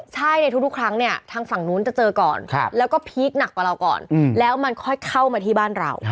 ใช่ในทุกครั้งเนี่ยทางฝั่งนู้นจะเจอก่อนแล้วก็พีคหนักกว่าเราก่อนแล้วมันค่อยเข้ามาที่บ้านเรา